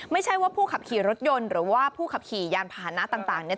ไม่ใช่ว่าผู้ขับขี่รถยนต์หรือว่าผู้ขับขี่ยานพานะต่างเนี่ย